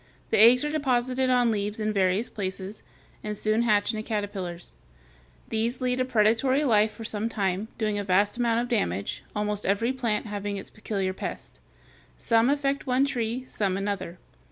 The eggs are deposited on leaves and various places, and soon hatch into caterpillars (Fig. 232). These lead a predatory life for some time, doing a vast amount of damage, almost every plant having its peculiar pest. Some affect one tree, some another.